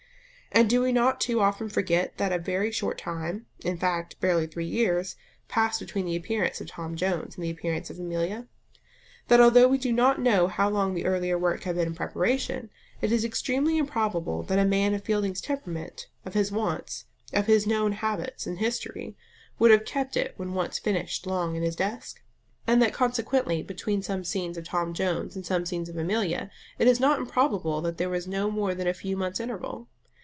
And do we not too often forget that a very short time in fact, barely three years passed between the appearance of Tom Jones and the appearance of Amelia? that although we do not know how long the earlier work had been in preparation, it is extremely improbable that a man of Fielding's temperament, of his wants, of his known habits and history, would have kept it when once finished long in his desk? and that consequently between some scenes of Tom Jones and some scenes of Amelia it is not improbable that there was no more than a few months' interval?